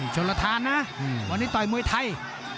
ชนละทานนะวันนี้ต่อยมวยไทย